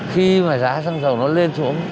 khi mà giá xăng dầu nó lên xuống